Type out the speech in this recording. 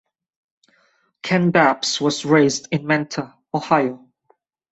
Ken Babbs was raised in Mentor, Ohio.